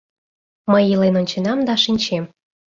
Мый илен онченам да шинчем.